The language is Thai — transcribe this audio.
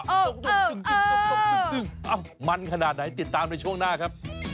แล้วก็ให้กำลังใส่จังหวะ